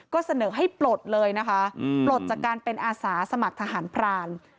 ก็เสนอให้ปลดเลยนะคะปลดจากการเป็นอาสาสมัครทหารพราน